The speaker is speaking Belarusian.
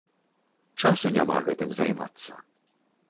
Часу няма гэтым займацца.